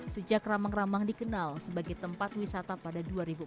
sejak ramang ramang dikenal sebagai tempat wisata pada dua ribu empat belas